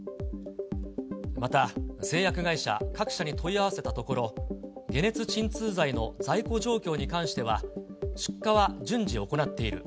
また製薬会社各社に問い合わせたところ、解熱鎮痛剤の在庫状況に関しては、出荷は順次行っている。